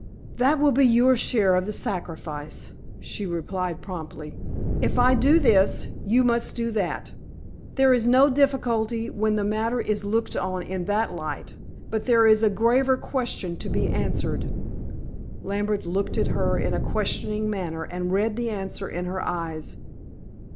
"That will be your share of the sacrifice," she replied promptly. "If I do this, you must do that. There is no difficulty when the matter is looked on in that light. But there is a graver question to be answered." Lambert looked at her in a questioning manner and read the answer in her eyes.